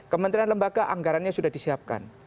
kementerian lembaga anggarannya sudah disiapkan